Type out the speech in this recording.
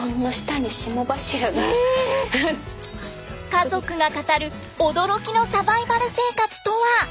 家族が語る驚きのサバイバル生活とは？